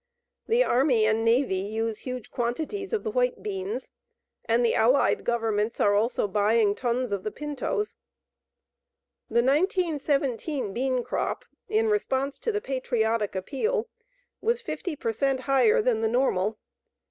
The Army and Navy use huge quantities of the white beans, and the Allied Governments are also buying tons of the pintos. The 1917 bean crop, in response to the patriotic appeal, was 50 per cent higher than the normal.